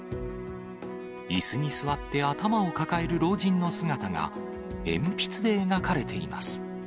いすに座って頭を抱える老人の姿が、鉛筆で描かれています。